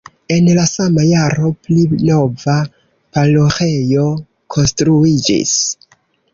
En la sama jaro pli nova paroĥejo konstruiĝis.